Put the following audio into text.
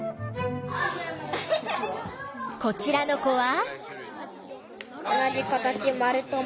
こちらの子は？